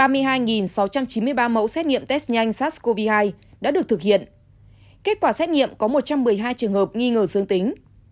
ba mươi hai sáu trăm chín mươi ba mẫu xét nghiệm test nhanh sars cov hai đã được thực hiện kết quả xét nghiệm có một trăm một mươi hai trường hợp nghi ngờ dương tính